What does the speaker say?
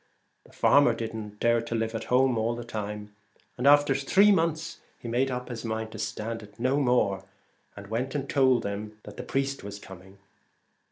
The farmer did not dare to live at home the while ; and after three months he made up his mind to stand it no more, and went and told them that the priest was coming.